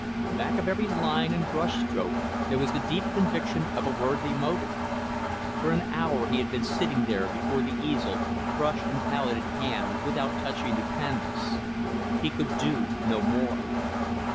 Back of every line and brush stroke there was the deep conviction of a worthy motive. For an hour, he had been sitting there, before the easel, brush and palette in hand, without touching the canvas. He could do no more.